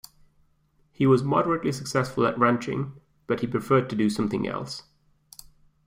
He was moderately successful at ranching, but he preferred to do something else.